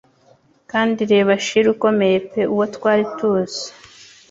Kandi reba Achille ukomeye pe uwo twari tuzi.